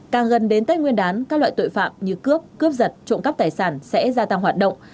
càng gần đến tết nguyên đán các loại tội phạm như cướp cướp giật trộm cắp tài sản sẽ gia tăng hoạt động